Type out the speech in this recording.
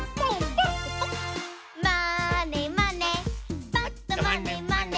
「まーねまねぱっとまねまね」